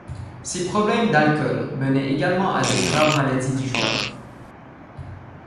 Ses problèmes d'alcool menaient également à de graves maladies du joueur.